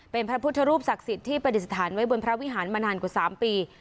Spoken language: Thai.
เป็นพระพุทธรูปศักดิ์สิทธิ์ที่ปฏิสถานไว้บนพระวิหารมานานกว่า๓ปี